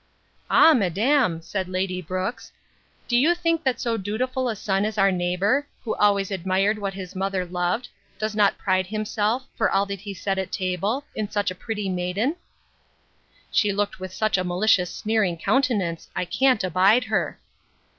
Ah! madam, said Lady Brooks, do you think that so dutiful a son as our neighbour, who always admired what his mother loved, does not pride himself, for all what he said at table, in such a pretty maiden? She looked with such a malicious sneering countenance, I can't abide her.